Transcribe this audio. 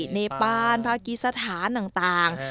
ในป้านภาคกิจสถานต่าง